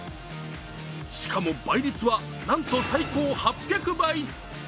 しかも倍率は、なんと最高８００倍。